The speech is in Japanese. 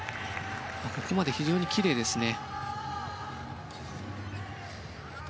ここまで非常にきれいですね。